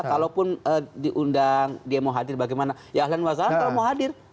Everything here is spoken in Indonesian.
ya kalaupun diundang dia mau hadir bagaimana ya ahli wakil kalau mau hadir